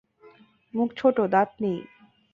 মুখ ছোট; দাঁত নেই।